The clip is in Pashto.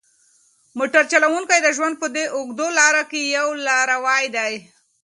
موټر چلونکی د ژوند په دې اوږده لاره کې یو لاروی دی.